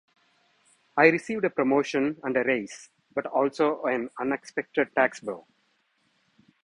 I received a promotion and a raise, but also an unexpected tax bill.